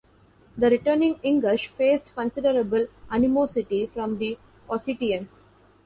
The returning Ingush faced considerable animosity from the Ossetians.